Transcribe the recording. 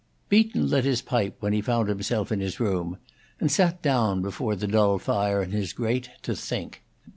X Beaton lit his pipe when he found himself in his room, and sat down before the dull fire in his grate to think.